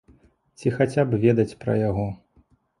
Ці хаця б ведаць пра яго.